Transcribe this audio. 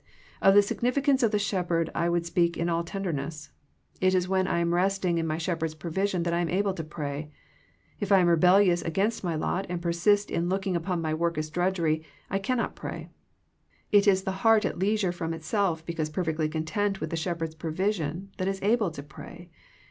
Of the significance of the Shepherd I would speak in all tenderness. It is when I am resting in my Shepherd's provision that I am able to pray. If I am rebellious against my lot and persist in look ing upon my work as drudgery, I cannot pray. It is the heart at leisure from itself because per fectly content with the Shepherd's provision, that is able to pray.